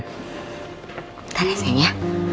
bentar ya sen ya